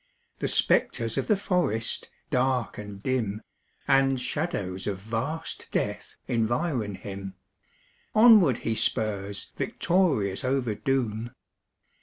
The spectres of the forest, dark and dim, And shadows of vast death environ him Onward he spurs victorious over doom.